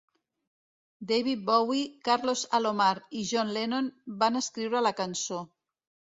David Bowie, Carlos Alomar i John Lennon van escriure la cançó.